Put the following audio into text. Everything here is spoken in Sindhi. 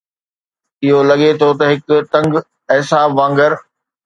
اهو لڳي ٿو ته هڪ تنگ اعصاب وانگر.